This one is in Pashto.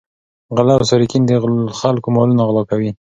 غله او سارقین د خلکو مالونه غلا کوي.